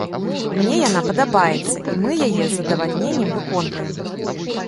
Мне яна падабаецца, і мы яе з задавальненнем выконваем.